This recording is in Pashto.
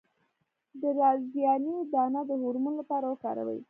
د رازیانې دانه د هورمون لپاره وکاروئ